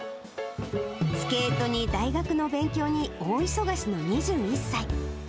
スケートに大学の勉強に、大忙しの２１歳。